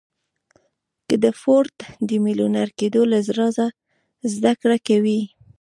که د فورډ د ميليونر کېدو له رازه زده کړه کوئ.